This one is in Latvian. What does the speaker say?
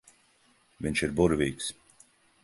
Viņš ir burvīgs.